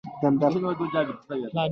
سټیم حجرې بالاخره د فولیکونو